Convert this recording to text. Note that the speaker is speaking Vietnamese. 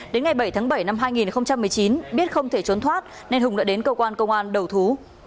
đến ngày bảy tháng bảy năm hai nghìn một mươi chín biết không thể trốn thoát nên hùng đã đến cơ quan công an đầu thú